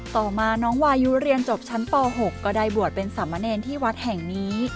ต่อมาน้องวายุเรียนจบชั้นป๖ก็ได้บวชเป็นสามเณรที่วัดแห่งนี้